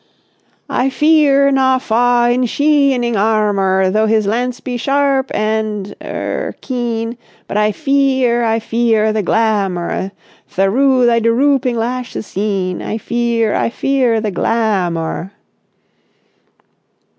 "I fee er naw faw in shee ining arr mor, Though his lance be sharrrp and—er keen; But I fee er, I fee er the glah mour Therough thy der rooping lashes seen: I fee er, I fee er the glah mour...."